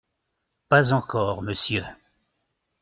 Pas encore, monsieur.